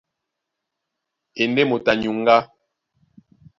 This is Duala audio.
A e ndé moto a nyuŋgá.